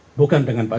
hai bukan dengan pak